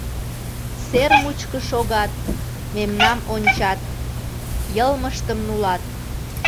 Сер мучко шогат, мемнам ончат, йылмыштым нулат.